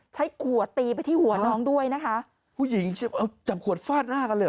ใช้ขวดตีไปที่หัวน้องด้วยนะคะผู้หญิงเอาจับขวดฟาดหน้ากันเลยเห